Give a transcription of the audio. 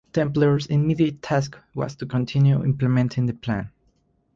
Templer’s immediate task was to continue implementing the Plan.